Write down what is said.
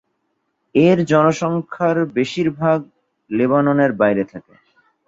এর জনসংখ্যার বেশিরভাগ লেবাননের বাইরে থাকে।